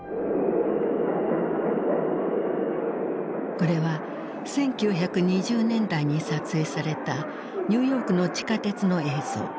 これは１９２０年代に撮影されたニューヨークの地下鉄の映像。